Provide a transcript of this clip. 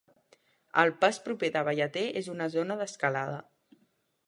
El pas proper de Ballater és una zona d'escalada.